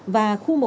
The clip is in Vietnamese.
và khu màu đỏ